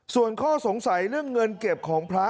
ส่วนข้อสงสัยเรื่องเงินเก็บของพระ